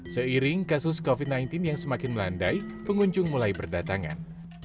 seiring kasus covid sembilan belas yang semakin melandai pengunjung mulai berdatangan